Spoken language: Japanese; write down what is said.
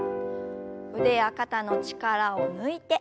腕や肩の力を抜いて。